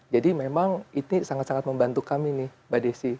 jadi memang ini sangat sangat membantu kami nih mbak desi